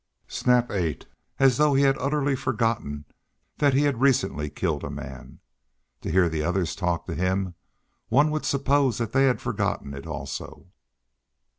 Snap ate as though he had utterly forgotten that he had recently killed a man; to hear the others talk to him one would suppose that they had forgotten it also.